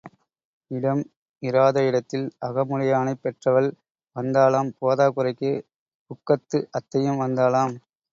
இடம் இராத இடத்தில் அகமுடையானைப் பெற்றவள் வந்தாளாம் போதாக் குறைக்குப் புக்ககத்து அத்தையும் வந்தாளாம்.